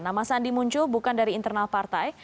nama sandi muncul bukan dari internal partai